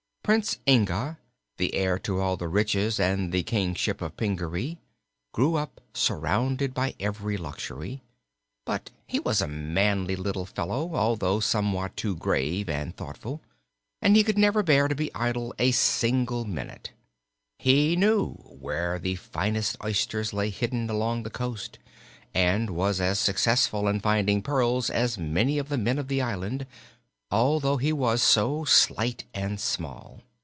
Prince Inga, the heir to all the riches and the kingship of Pingaree, grew up surrounded by every luxury; but he was a manly little fellow, although somewhat too grave and thoughtful, and he could never bear to be idle a single minute. He knew where the finest oysters lay hidden along the coast and was as successful in finding pearls as any of the men of the island, although he was so slight and small.